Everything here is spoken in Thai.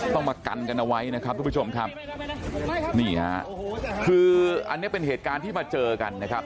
ต้องมากันกันเอาไว้นะครับทุกผู้ชมครับนี่ฮะคืออันนี้เป็นเหตุการณ์ที่มาเจอกันนะครับ